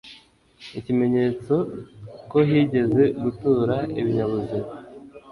ikimenyetso ko higeze gutura ibinyabuzima